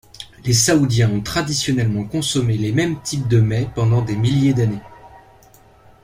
Les saoudiens ont traditionnellement consommé les mêmes types de mets pendant des milliers d'années.